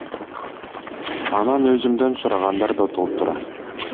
Анан өзүмдөн сурагандар да толтура.